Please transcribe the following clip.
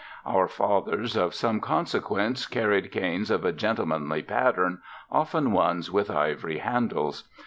Our fathers of some consequence carried canes of a gentlemanly pattern, often ones with ivory handles.